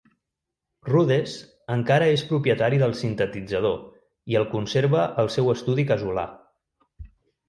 Rudess encara és propietari del sintetitzador i el conserva al seu estudi casolà.